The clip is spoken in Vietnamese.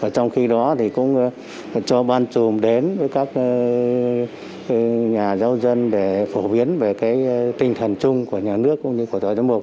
trong khi đó thì cũng cho ban chùm đến với các nhà giáo dân để phổ biến về tinh thần chung của nhà nước cũng như của tòa giáo mục